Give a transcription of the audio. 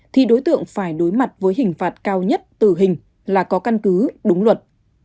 thì đối tượng phải đối mặt với hình phạt cao nhất tử hình là có căn cứ đúng luật